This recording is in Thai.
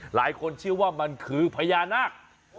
หลายคนเชื่อว่ามันคือพญานาค